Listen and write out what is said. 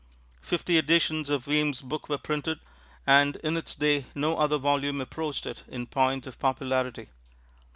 Fifty editions of Weems' book were printed, and in its day no other volume approached it in point of popularity.